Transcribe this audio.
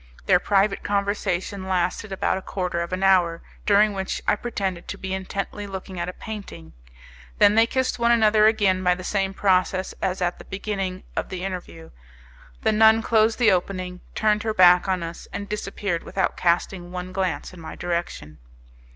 Their private conversation lasted about a quarter of an hour, during which I pretended to be intently looking at a painting; then they kissed one another again by the same process as at the beginning of the interview; the nun closed the opening, turned her back on us, and disappeared without casting one glance in my direction.